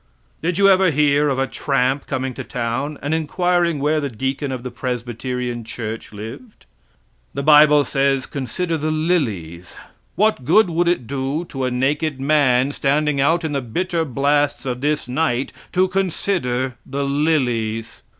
Did you ever hear of a tramp coming to town and inquiring where the deacon of the Presbyterian church lived. The bible says consider the lilies. What good would it do a naked man standing out in the bitter blasts of this night to consider the lilies.